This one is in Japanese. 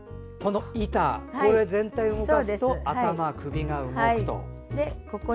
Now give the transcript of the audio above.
板、これ全体を動かすと頭、首が動くと。